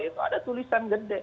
itu ada tulisan gede